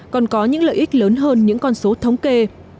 còn có những lợi ích lớn hơn những con số thống kê